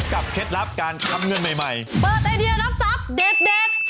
เคล็ดลับการทำเงินใหม่เปิดไอเดียรับทรัพย์เด็ด